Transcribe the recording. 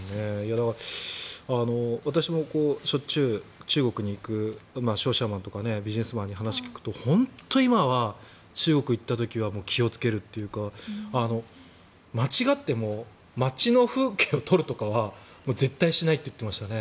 だから、私もしょっちゅう中国に行く商社マンとかビジネスマンに話を聞くと本当に今は中国に行った時は気をつけるというか間違っても街の風景を撮るとかは絶対にしないって言ってましたね。